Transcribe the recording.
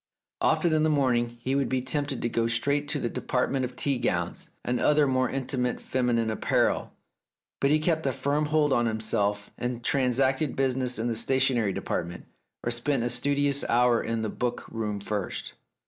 Often in the morning he would be tempted to go straight to the department of tea gowns and other more intimate feminine apparel, but he kept a firm hold on himself and transacted business in the stationery department, or spent a studious hour in the book room first.